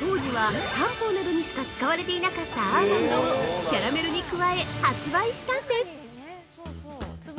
当時は漢方などにしか使われていなかったアーモンドをキャラメルに加え発売したんです。